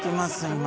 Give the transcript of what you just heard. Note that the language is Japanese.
今。